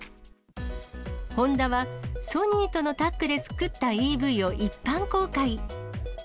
ホンダはソニーとのタッグで作ったＥＶを一般公開。